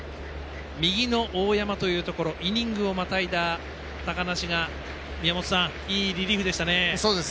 右の大山というところイニングをまたいだ高梨がいいリリーフでしたね。